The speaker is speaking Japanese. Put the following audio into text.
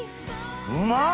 うまっ！